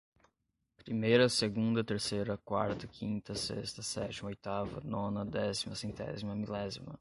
primeira, segunda, terceira, quarta, quinta, sexta, sétima, oitava, nona, décima, centésima, milésima.